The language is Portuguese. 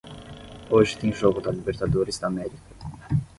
Hoje tem jogo da Libertadores da América.